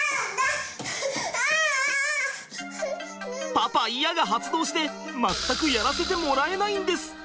パパイヤ！が発動して全くやらせてもらえないんです！